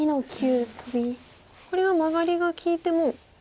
これはマガリが利いても。